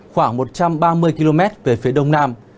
khoảng một trăm ba mươi km về phía đông nam